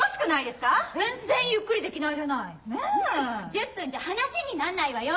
１０分じゃ話になんないわよ！